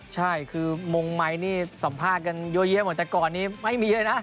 ใช่คือมงไมค์นี่สัมภาษณ์กันเยอะแยะเหมือนแต่ก่อนนี้ไม่มีเลยนะ